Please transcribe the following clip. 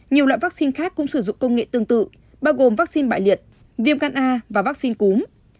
nhiều loại vaccine khác cũng sử dụng công nghệ tương tự bao gồm vaccine bại liệt viêm gan a và vaccine cúm